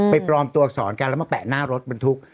ปลอมตัวอักษรกันแล้วมาแปะหน้ารถบรรทุก